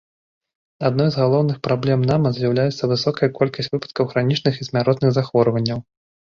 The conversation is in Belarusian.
Адной з галоўных праблем нама з'яўляецца высокая колькасць выпадкаў хранічных і смяротных захворванняў.